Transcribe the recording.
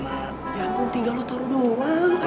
ya ampun tinggal lo taruh doang